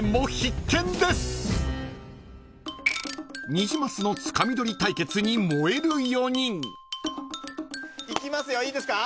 ［ニジマスのつかみ取り対決に燃える４人］いきますよいいですか？